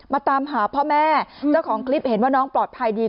ตามหาพ่อแม่เจ้าของคลิปเห็นว่าน้องปลอดภัยดี